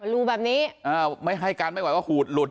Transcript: รูแบบนี้อ่าให้การไม่ไหวก็หูดหลุดโอ้ย